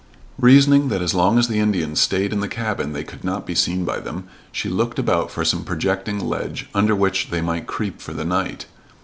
Reasoning that as long as the Indians stayed in the cabin they could not be seen by them, she looked about for some projecting ledge under which they might creep for the night.